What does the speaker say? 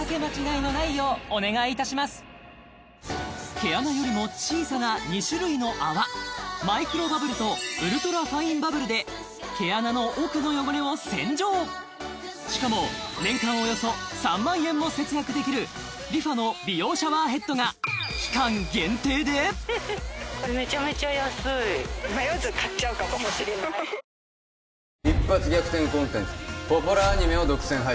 毛穴よりも小さな２種類の泡マイクロバブルとウルトラファインバブルで毛穴の奥の汚れを洗浄しかも年間およそ３万円も節約できる ＲｅＦａ の美容シャワーヘッドが期間限定でいくつになっても新しくなれるんだ